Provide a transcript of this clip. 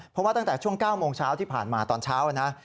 เพราะว่าตั้งแต่ช่วง๙โมงเช้าที่ผ่านมาตอนเช้านะ